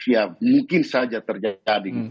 ya mungkin saja terjadi